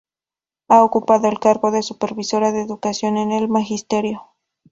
Ha ocupado el cargo de supervisora de educación en el magisterio.